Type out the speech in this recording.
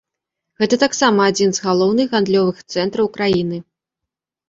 Гэта таксама адзін з галоўных гандлёвых цэнтраў краіны.